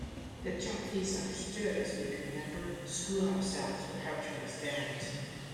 The Japanese understood as we could never school ourselves or hope to understand.